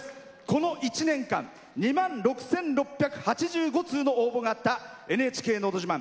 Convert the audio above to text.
この１年間、２万６６８５通の応募があった「ＮＨＫのど自慢」